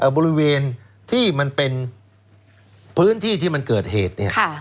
บริเวณที่มันเป็นพื้นที่ที่มันเกิดเหตุเนี่ย